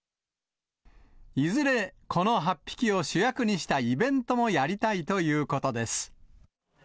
いずれこの８匹を主役にしたイベントもやりたいということです。